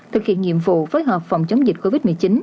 thực hiện nhiệm vụ phối hợp phòng chống dịch covid một mươi chín